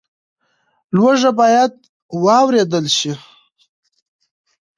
لوږه باید واورېدل شي.